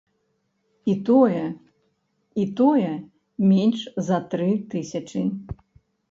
І тое, і тое менш за тры тысячы.